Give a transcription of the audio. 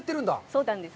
そうなんです。